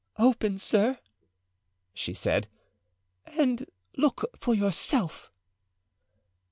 "Open, sir," she said, "and look for yourself."